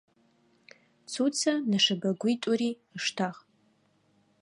Цуцэ нэшэбэгуитӏури ыштагъ.